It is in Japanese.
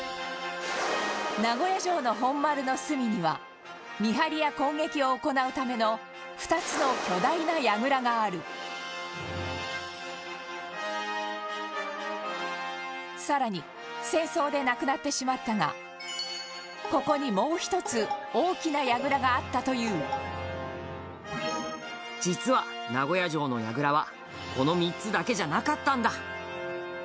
名古屋城の本丸の隅には見張りや攻撃を行うための２つの巨大な櫓がある更に戦争でなくなってしまったがここに、もう１つ大きな櫓があったという実は、名古屋城の櫓はこの３つだけじゃなかったんだ